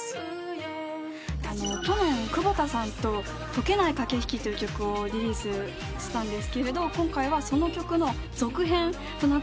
去年クボタさんと『解けない駆け引き』という曲をリリースしたんですけど今回はその曲の続編となってまして。